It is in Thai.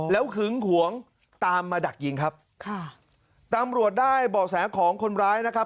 แล้วหึงหวงตามมาดักยิงครับค่ะตำรวจได้เบาะแสของคนร้ายนะครับ